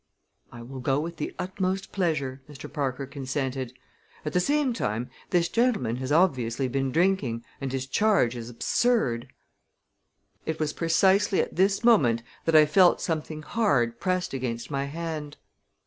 "I will go with the utmost pleasure," Mr. Parker consented. "At the same time this gentleman has obviously been drinking and his charge is absurd." It was precisely at this moment that I felt something hard pressed against my hand.